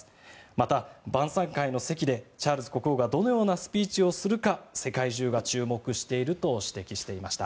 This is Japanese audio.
また晩さん会の席でチャールズ国王がどのようなスピーチをするか世界中が注目していると指摘していました。